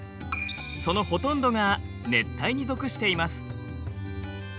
そのほとんどが熱帯に属しています。